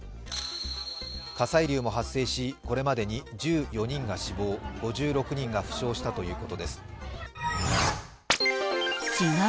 火砕流も発生し、これまでに１４人が死亡、５６人が負傷したということです。